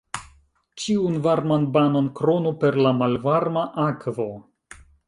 Ĉiun varman banon kronu per la malvarma akvo.